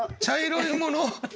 「茶色いもの」！